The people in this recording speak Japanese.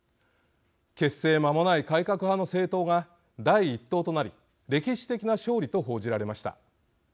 結成まもない改革派の政党が第一党となり歴史的な勝利と報じられました。